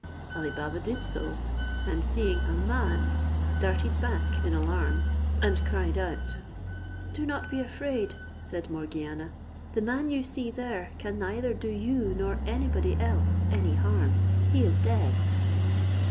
Ali Baba did so, and seeing a man, started back in alarm, and cried out. "Do not be afraid," said Morgiana, "the man you see there can neither do you nor any body else any harm. He is dead."